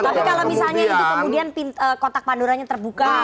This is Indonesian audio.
tapi kalau misalnya itu kemudian kotak pandoranya terbuka